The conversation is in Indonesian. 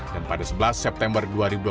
pada sebelas september dua ribu dua puluh